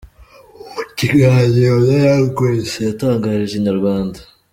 Mu kiganiro na Young Grace yatangarije Inyarwanda.